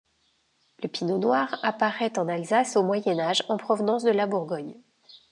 Le pinot noir apparait en Alsace au Moyen Âge en provenance de la Bourgogne.